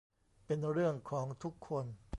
เป็นเรื่องของทุกคน